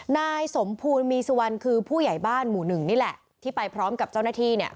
นายสมภูลมีสุวรรณคือผู้ใหญ่บ้านหมู่หนึ่งนี่แหละที่ไปพร้อมกับเจ้าหน้าที่เนี่ย